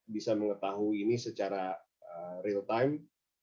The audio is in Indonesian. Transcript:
bisa mengetahui ini secara real time